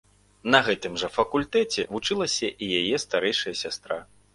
На гэтым жа факультэце вучылася і яе старэйшая сястра.